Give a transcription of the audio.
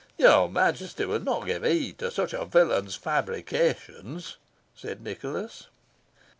"Your Majesty will not give heed to such a villain's fabrications?" said Nicholas.